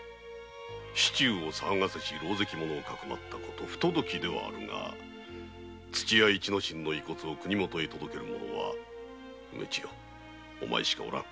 市中を騒がせしろうぜき者をかくまったこと不届きなれど土屋市之進の遺骨を国元へ届ける者は梅千代お前しかおらぬ。